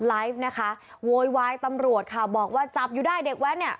ไลฟ์นะคะโวยวายตำรวจค่ะบอกว่าจับอยู่ได้เด็กแว้นเนี่ย